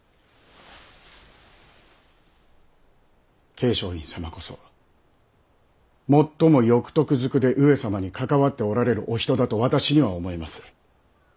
桂昌院様こそもっとも欲得ずくで上様に関わっておられるお人だと私には思えます。